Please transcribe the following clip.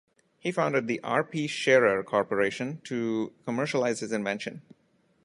He founded the R. P. Scherer Corporation to commercialize his invention.